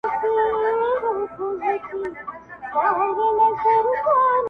شګوفې په ټوله ښکلا غوړېدلي وې -